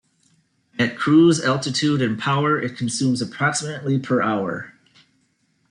At cruise altitude and power, it consumes approximately per hour.